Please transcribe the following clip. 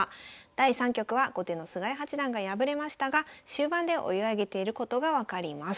第３局は後手の菅井八段が敗れましたが終盤で追い上げていることが分かります。